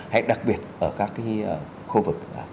hay đặc biệt ở các cái khu vực